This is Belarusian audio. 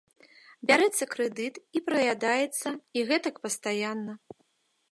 Бярэцца крэдыт і праядаецца, і гэтак пастаянна.